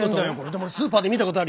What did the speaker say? でもスーパーで見たことあるよ。